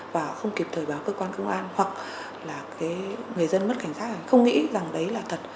và không kịp thời báo cơ quan công an hoặc là người dân mất cảnh giác không nghĩ rằng đấy là thật